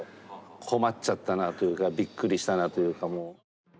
困っちゃったなというかびっくりしたなというかもう。